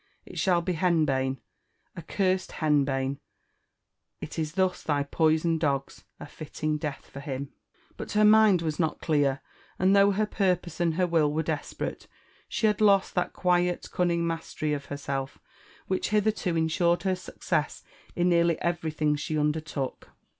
— It shall be henbane, accursed henbane, — it is thus they poison dogs— a fitting death for him !" But her mind was not clear ; and though her purpose and her will were desperale, she had lost that quiet, cunning mastery of herself, which hitherto insured her success in nearly everything she undertook.